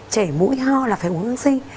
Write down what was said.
chảy mũi ho là phải uống hương sinh